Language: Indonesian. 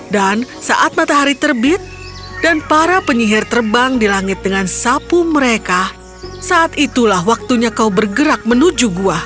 dan saat matahari terbit dan para penyihir terbang di langit dengan sapu mereka saat itulah waktunya kau bergerak menuju gua